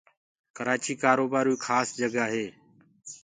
ڪرآچيٚ ڪآروبآروئيٚ کآس جگآ هي